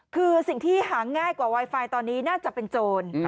คือสิ่งที่หาง่ายกว่าไวไฟตอนนี้น่าจะเป็นโจร